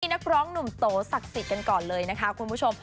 นักร้องหนุ่มโตศักดิ์สิทธิ์กันก่อนเลยนะคะคุณผู้ชม